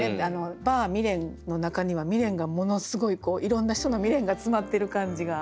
「バー・未練」の中には未練がものすごいこういろんな人の未練が詰まってる感じが。